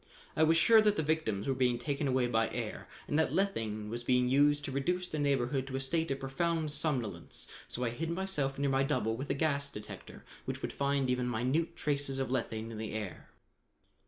I was sure that the victims were being taken away by air and that lethane was being used to reduce the neighborhood to a state of profound somnolence, so I hid myself near my double with a gas detector which would find even minute traces of lethane in the air.